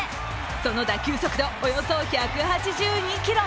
その打球速度およそ１８２キロ。